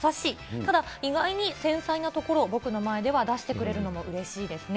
ただ、意外に繊細なところ、僕の前では出してくれるのもうれしいですね。